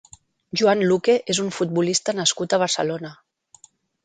Joan Luque és un futbolista nascut a Barcelona.